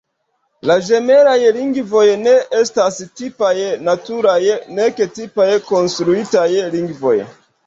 La ĝemelaj lingvoj ne estas tipaj naturaj nek tipaj konstruitaj lingvoj.